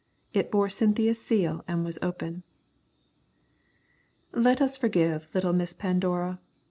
It bore Cynthia's seal and was open. Let us forgive little Miss Pandora.